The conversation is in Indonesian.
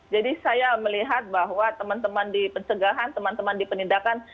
jadi saya melihat bahwa teman teman di pencegahan teman teman di penindakan